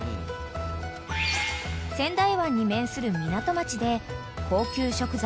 ［仙台湾に面する港町で高級食材